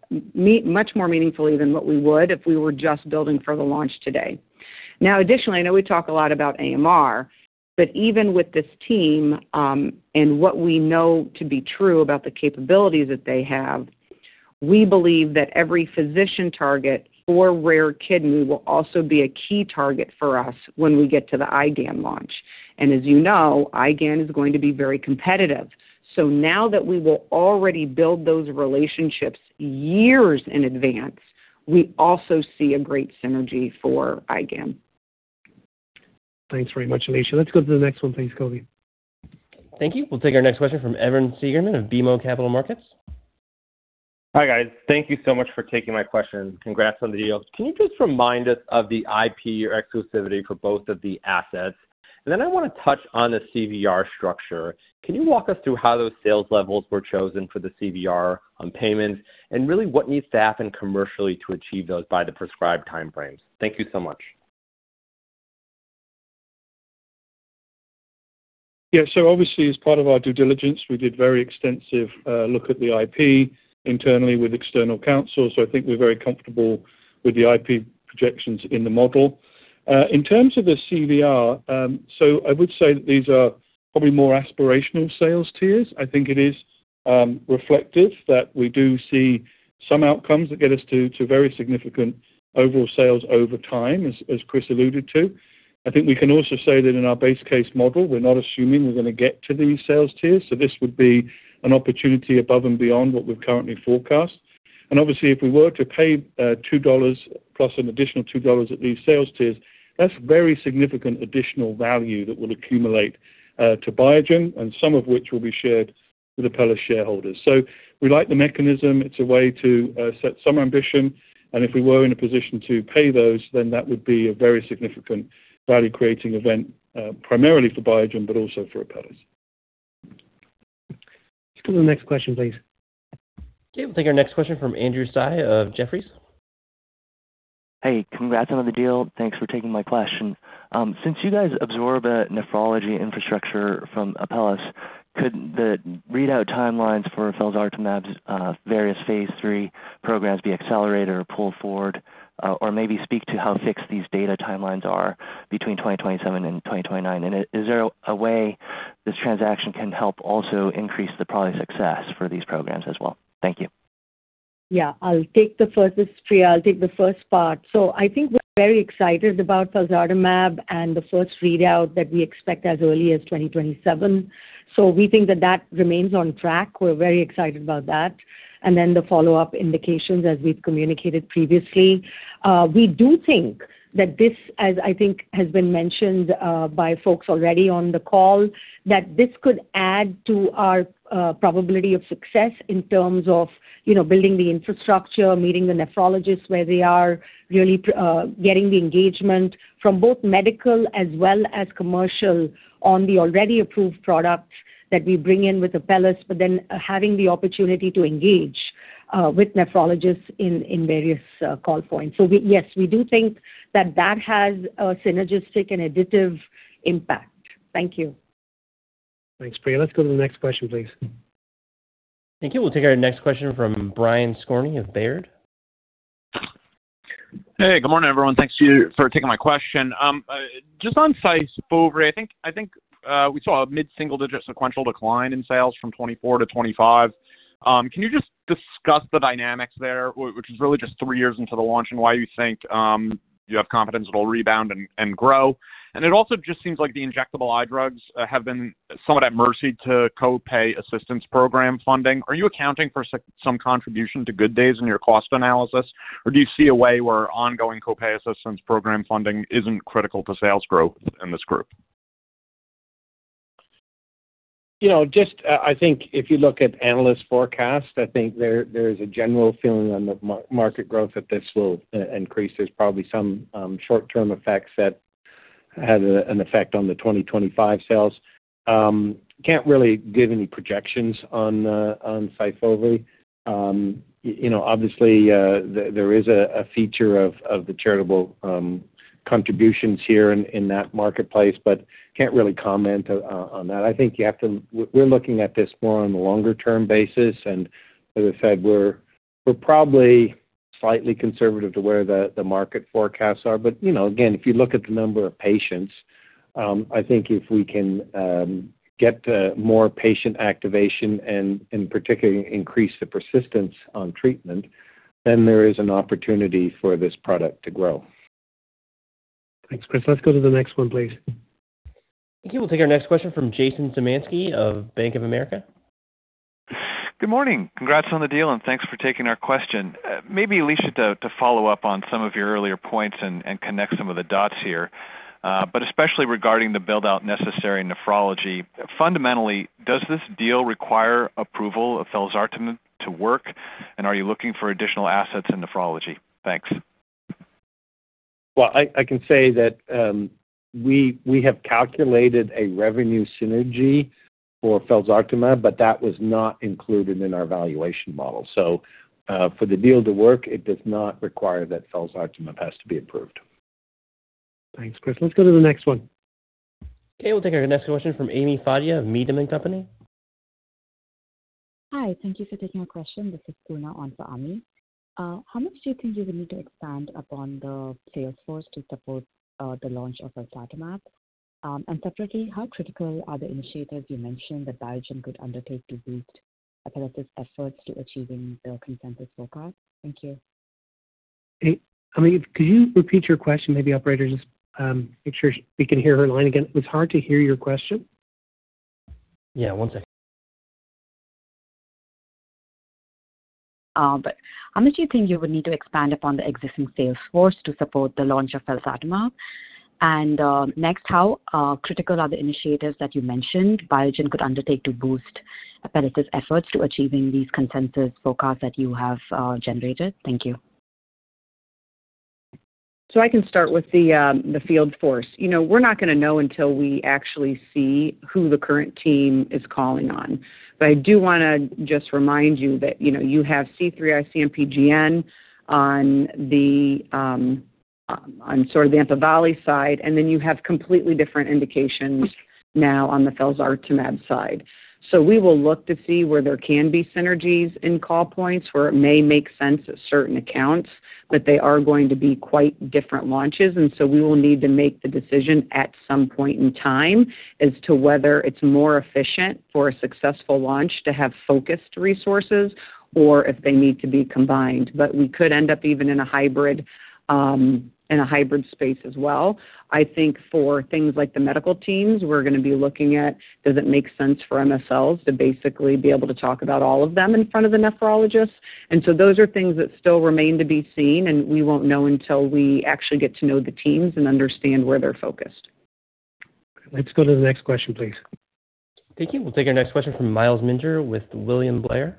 S7: much more meaningfully than what we would if we were just building for the launch today. Now, additionally, I know we talk a lot about AMR, but even with this team and what we know to be true about the capabilities that they have, we believe that every physician target for rare kidney will also be a key target for us when we get to the IgAN launch. As you know, IgAN is going to be very competitive. Now that we will already build those relationships years in advance, we also see a great synergy for IgAN.
S2: Thanks very much, Alisha. Let's go to the next one, please, Colby.
S1: Thank you. We'll take our next question from Evan Seigerman of BMO Capital Markets.
S18: Hi, guys. Thank you so much for taking my question. Congrats on the deal. Can you just remind us of the IP or exclusivity for both of the assets? I want to touch on the CVR structure. Can you walk us through how those sales levels were chosen for the CVR on payments, and really what needs to happen commercially to achieve those by the prescribed time frames? Thank you so much.
S4: Yeah. Obviously, as part of our due diligence, we did very extensive look at the IP internally with external counsel. I think we're very comfortable with the IP projections in the model. In terms of the CVR, I would say that these are probably more aspirational sales tiers. I think it is reflective that we do see some outcomes that get us to very significant overall sales over time, as Chris alluded to. I think we can also say that in our base case model, we're not assuming we're going to get to these sales tiers. This would be an opportunity above and beyond what we've currently forecast. Obviously, if we were to pay $2+ an additional $2 at these sales tiers, that's very significant additional value that will accumulate to Biogen, and some of which will be shared with Apellis shareholders. We like the mechanism. It's a way to set some ambition, and if we were in a position to pay those, then that would be a very significant value-creating event, primarily for Biogen, but also for Apellis.
S2: Let's go to the next question, please.
S1: Okay. We'll take our next question from Andrew Tsai of Jefferies.
S19: Hey, congrats on the deal. Thanks for taking my question. Since you guys absorb a nephrology infrastructure from Apellis, could the readout timelines for felzartamab's various phase III programs be accelerated or pulled forward? Or maybe speak to how fixed these data timelines are between 2027 and 2029. Is there a way this transaction can help also increase the product success for these programs as well? Thank you.
S15: Yeah. I'll take the first question. I'll take the first part. I think we're very excited about felzartamab and the first readout that we expect as early as 2027. We think that remains on track. We're very excited about that. Then the follow-up indications, as we've communicated previously. We do think that this, as I think has been mentioned by folks already on the call, that this could add to our probability of success in terms of, you know, building the infrastructure, meeting the nephrologists where they are, really getting the engagement from both medical as well as commercial on the already approved products that we bring in with Apellis, but then having the opportunity to engage with nephrologists in various call points. Yes, we do think that has a synergistic and additive impact. Thank you.
S2: Thanks, Priya. Let's go to the next question, please.
S1: Thank you. We'll take our next question from Brian Skorney of Baird.
S20: Hey, good morning, everyone. Thank you for taking my question. Just on SYFOVRE, I think we saw a mid-single-digit sequential decline in sales from 2024 to 2025. Can you just discuss the dynamics there, which is really just three years into the launch, and why you think you have confidence it'll rebound and grow? It also just seems like the injectable eye drugs have been somewhat at the mercy of co-pay assistance program funding. Are you accounting for some contribution to guidance in your cost analysis? Or do you see a way where ongoing co-pay assistance program funding isn't critical to sales growth in this group?
S3: You know, just, I think if you look at analyst forecasts, I think there is a general feeling on the market growth that this will increase. There's probably some short-term effects that had an effect on the 2025 sales. Can't really give any projections on SYFOVRE. You know, obviously, there is a feature of the charitable contributions here in that marketplace but can't really comment on that. I think you have to. We're looking at this more on a longer-term basis. As I said, we're probably slightly conservative to where the market forecasts are. You know, again, if you look at the number of patients, I think if we can get more patient activation and in particular increase the persistence on treatment, then there is an opportunity for this product to grow.
S2: Thanks, Chris. Let's go to the next one, please.
S1: Thank you. We'll take our next question from Jason Zemansky of Bank of America.
S21: Good morning. Congrats on the deal, and thanks for taking our question. Maybe, Alisha, to follow up on some of your earlier points and connect some of the dots here, but especially regarding the build-out necessary in nephrology. Fundamentally, does this deal require approval of felzartamab to work, and are you looking for additional assets in nephrology? Thanks.
S3: Well, I can say that we have calculated a revenue synergy for felzartamab, but that was not included in our valuation model. For the deal to work, it does not require that felzartamab has to be approved.
S2: Thanks, Chris. Let's go to the next one.
S1: Okay. We'll take our next question from Ami Fadia of Needham & Company.
S22: Hi. Thank you for taking my question. This is Poorna on for Ami. How much do you think you will need to expand upon the sales force to support the launch of felzartamab? Separately, how critical are the initiatives you mentioned that Biogen could undertake to boost Apellis' efforts to achieving their consensus forecast? Thank you.
S2: Hey, Ami, could you repeat your question? Maybe operator, just, make sure we can hear her line again. It was hard to hear your question.
S1: Yeah, one second.
S22: How much do you think you would need to expand upon the existing sales force to support the launch of felzartamab? Next, how critical are the initiatives that you mentioned Biogen could undertake to boost Apellis' efforts to achieving these consensus forecasts that you have generated? Thank you.
S7: I can start with the field force. You know, we're not going to know until we actually see who the current team is calling on. I do want to just remind you that, you know, you have C3G and IC-MPGN on the EMPAVELI side, and then you have completely different indications now on the felzartamab side. We will look to see where there can be synergies in call points where it may make sense at certain accounts, but they are going to be quite different launches. We will need to make the decision at some point in time as to whether it's more efficient for a successful launch to have focused resources or if they need to be combined. We could end up even in a hybrid space as well. I think for things like the medical teams, we're going to be looking at, does it make sense for MSLs to basically be able to talk about all of them in front of the nephrologists? Those are things that still remain to be seen, and we won't know until we actually get to know the teams and understand where they're focused.
S2: Let's go to the next question, please.
S1: Thank you. We'll take our next question from Myles Minter with William Blair.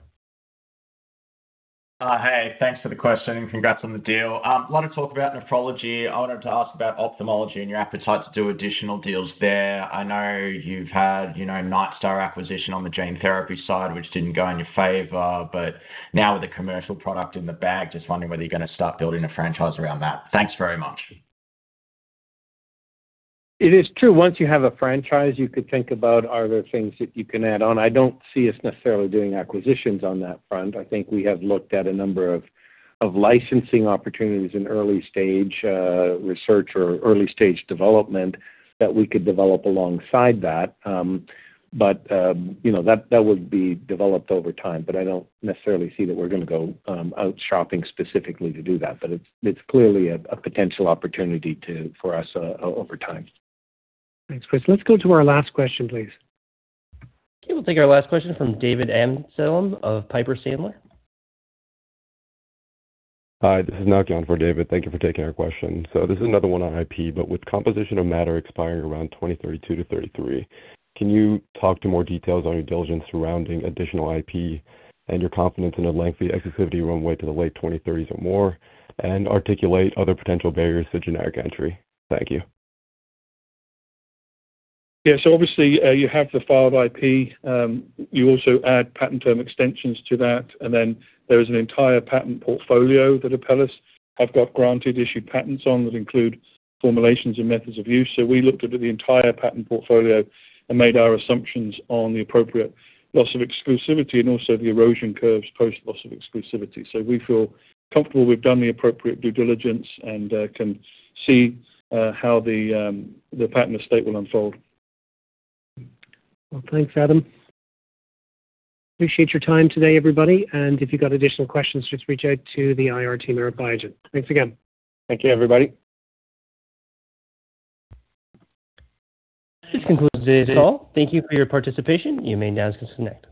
S23: Hey. Thanks for the question, and congrats on the deal. A lot of talk about nephrology. I wanted to ask about ophthalmology and your appetite to do additional deals there. I know you've had, you know, Nightstar acquisition on the gene therapy side, which didn't go in your favor, but now with the commercial product in the bag, just wondering whether you're going to start building a franchise around that. Thanks very much.
S3: It is true. Once you have a franchise, you could think about are there things that you can add on. I don't see us necessarily doing acquisitions on that front. I think we have looked at a number of licensing opportunities in early-stage research or early-stage development that we could develop alongside that. You know, that would be developed over time. I don't necessarily see that we're going to go out shopping specifically to do that. It's clearly a potential opportunity to for us over time.
S2: Thanks, Chris. Let's go to our last question, please.
S1: Okay. We'll take our last question from David Amsellem of Piper Sandler.
S24: Hi, this is now John for David. Thank you for taking our question. This is another one on IP, but with composition of matter expiring around 2032-2033, can you talk to more details on your diligence surrounding additional IP and your confidence in a lengthy exclusivity runway to the late 2030s or more, and articulate other potential barriers to generic entry? Thank you.
S4: Yeah. Obviously, you have the filed IP. You also add patent term extensions to that, and then there is an entire patent portfolio that Apellis have got granted issued patents on that include formulations and methods of use. We looked at the entire patent portfolio and made our assumptions on the appropriate loss of exclusivity and also the erosion curves post loss of exclusivity. We feel comfortable we've done the appropriate due diligence and can see how the patent estate will unfold.
S2: Well, thanks, Adam. Appreciate your time today, everybody. If you've got additional questions, just reach out to the IR team or Biogen. Thanks again.
S3: Thank you, everybody.
S1: This concludes this call. Thank you for your participation. You may now disconnect.